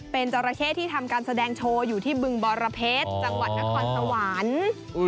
เป็นจราเข้ที่ทำการแสดงโชว์อยู่ที่บึงบรเพชรจังหวัดนครสวรรค์